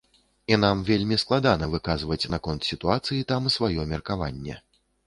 І нам вельмі складана выказваць наконт сітуацыі там сваё меркаванне.